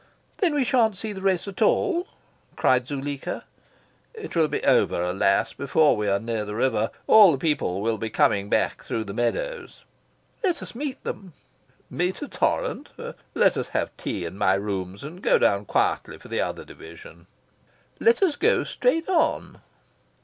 "Then we shan't see the race at all?" cried Zuleika. "It will be over, alas, before we are near the river. All the people will be coming back through the meadows." "Let us meet them." "Meet a torrent? Let us have tea in my rooms and go down quietly for the other Division." "Let us go straight on."